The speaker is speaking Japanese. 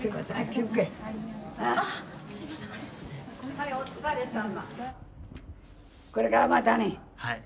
はいお疲れさま。